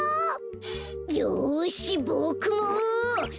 よしボクも！